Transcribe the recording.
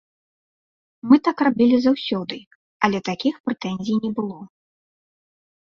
Мы так рабілі заўсёды, але такіх прэтэнзій не было.